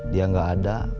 dia gak ada